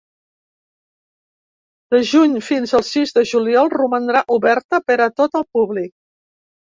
De juny fins el sis de juliol romandrà oberta per a tot el públic.